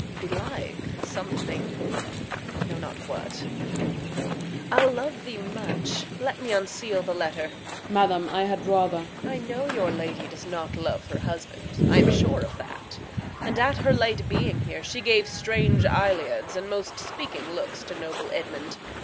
Belike, Something I know not what I'll love thee much Let me unseal the letter. Osw. Madam, I had rather Reg. I know your lady does not love her husband; I am sure of that; and at her late being here She gave strange eliads and most speaking looks To noble Edmund.